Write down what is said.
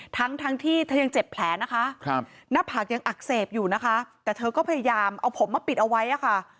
ทั้งทั้งที่เธอยังเจ็บแผลนะคะหน้าผากยังอักเสบอยู่นะคะแต่เธอก็พยายามเอาผมมาปิดเอาไว้อะค่ะ